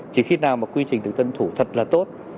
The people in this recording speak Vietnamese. chỉ khi nào mà quy trình tự tuân thủ thật là tốt